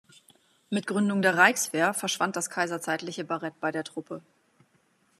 Mit Gründung der Reichswehr verschwand das kaiserzeitliche Barett bei der Truppe.